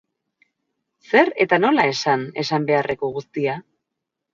Zer esan eta nola esan esan beharreko guztia?